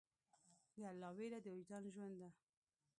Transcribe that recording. د الله ویره د وجدان ژوند ده.